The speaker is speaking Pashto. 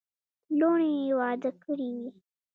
لوڼي یې واده کړې وې.